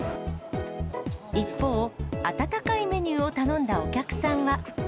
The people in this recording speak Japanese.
一方、温かいメニューを頼んだお客さんは。